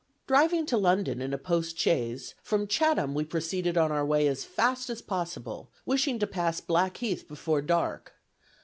Driving to London in a post chaise, "from Chatham we proceeded on our way as fast as possible, wishing to pass Blackheath before dark.